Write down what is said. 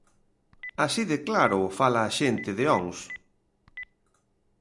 Así de claro fala a xente de Ons.